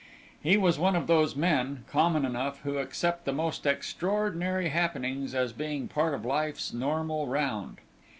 He was one of those men, common enough, who accept the most extraordinary happenings as being part of life's normal round.